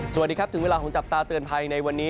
สวัสดีครับถึงเวลาของจับตาเตือนภัยในวันนี้